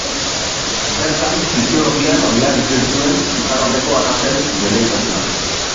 Bertan fisiologian oinarritzen zuen iparraldeko arrazen gailentasuna.